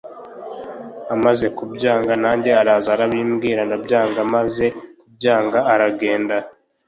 Amaze kubyanga nanjye araza arabimbwira ndabyanga, maze kubyanga aragenda